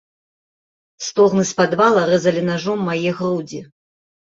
Стогны з падвала рэзалі нажом мае грудзі.